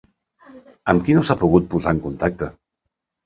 Amb qui no s'ha pogut posar en contacte?